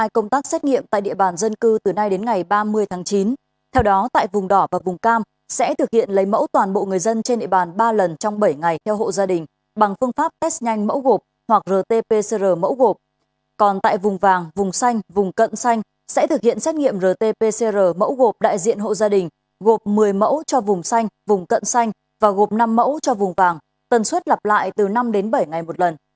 còn tại vùng vàng vùng xanh vùng cận xanh sẽ thực hiện xét nghiệm rt pcr mẫu gộp đại diện hộ gia đình gộp một mươi mẫu cho vùng xanh vùng cận xanh và gộp năm mẫu cho vùng vàng tần suất lặp lại từ năm đến bảy ngày một lần